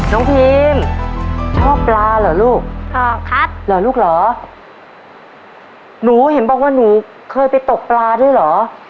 น้องพีมชอบปลาเหรอลูกอ่อครับลูกเหรอหนูเห็นบอกว่านั้นเคยไปตกปลาด้วยหรอครับ